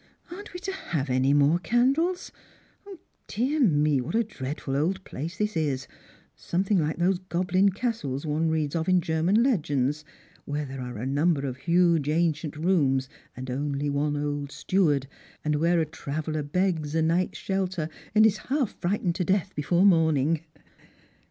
" Aren't we to have any more candles ? O, dear me, what a dread ful old place this is !— something like those goblin castles one reads of in German legends, where there are a number of luige ancient rooms and only one old steward, and where a traveller begs a night's shelter, and is half frightened to death before morning."